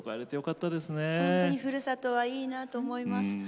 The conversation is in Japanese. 本当にふるさとはいいなと思います。